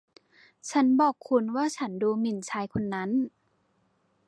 ฉันบอกคุณว่าฉันดูหมิ่นชายคนนั้น